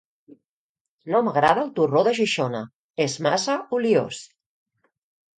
No m'agrada el torró de Xixona, és massa oliós.